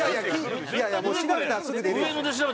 いやいやもう調べたらすぐ出るよ。